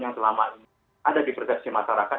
yang selama ini ada di persepsi masyarakat